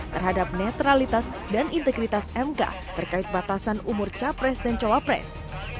terhadap netralitas dan integritas mk terkait batasan umur capres dan cawapres